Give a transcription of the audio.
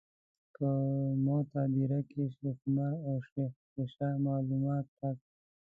په موته هدیره کې شیخ عمر او شیخې عایشې معلومات راکړل.